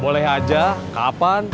boleh aja kapan